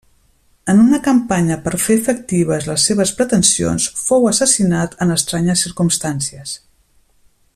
En una campanya per fer efectives les seves pretensions, fou assassinat en estranyes circumstàncies.